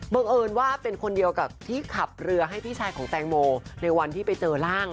เอิญว่าเป็นคนเดียวกับที่ขับเรือให้พี่ชายของแตงโมในวันที่ไปเจอร่าง